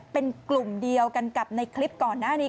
เป็นกลุ่มเดียวกันกับในคลิปก่อนหน้านี้